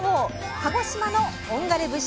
鹿児島の本枯節！